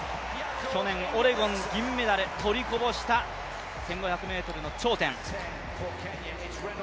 去年オレゴン銀メダル取りこぼした１５００の頂点。